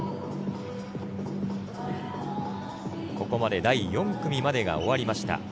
ここまで第４組までが終わりました。